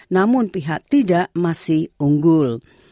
namun pihak tidak masih unggul